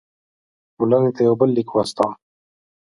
ټولنې ته یو بل لیک واستاوه.